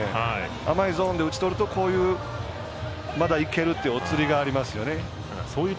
甘いゾーンで打ち取るとこういうまだいけるというおつりがありますよね。